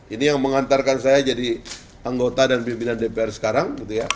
ini yang mengantarkan saya jadi anggota dan pimpinan dpr sekarang